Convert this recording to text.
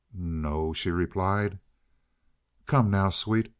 "No o," she replied. "Come now, sweet.